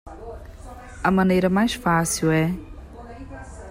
A maneira mais fácil é